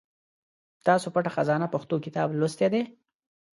تاسو پټه خزانه پښتو کتاب لوستی دی ؟